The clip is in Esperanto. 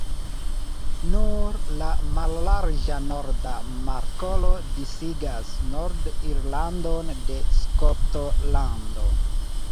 Nur la mallarĝa Norda Markolo disigas Nord-Irlandon de Skotlando.